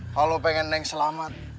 kalau pengen neng selamat